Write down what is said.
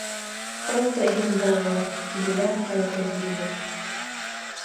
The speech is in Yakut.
Ол да иһин буолуо, Киһилээх хайата дииллэр